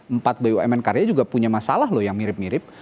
empat bumn karya juga punya masalah loh yang mirip mirip